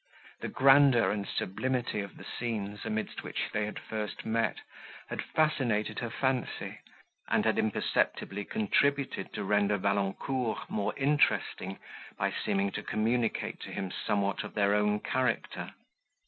The grandeur and sublimity of the scenes, amidst which they had first met, had fascinated her fancy, and had imperceptibly contributed to render Valancourt more interesting by seeming to communicate to him somewhat of their own character.